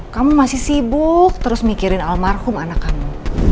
kamu masih sibuk terus mikirin almarhum anak kamu